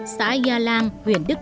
xã gia lan huyện đức cơ